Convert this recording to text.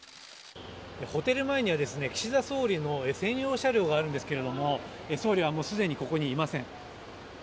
ホテル前には、岸田総理の専用車両があるんですが総理はすでにここにいません。